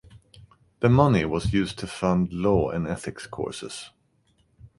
The money was used to fund law and ethics courses.